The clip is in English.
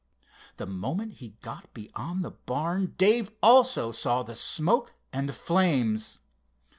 The moment he got beyond the barn, Dave also saw the smoke and flames.